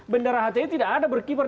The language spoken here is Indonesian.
bendera hti tidak ada berkibar